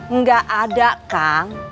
enggak ada kang